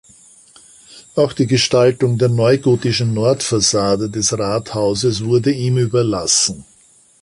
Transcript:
Auch die Gestaltung der neugotischen Nordfassade des Rathauses wurde ihm überlassen.